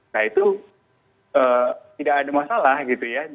nah itu tidak ada masalah gitu ya